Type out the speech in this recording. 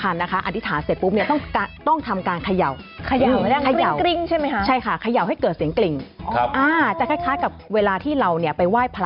อยากเดียวหน้าขอแค่อย่างเดียวเท่านั้นนิ้นเลยนิ้นเลยอ่าใช่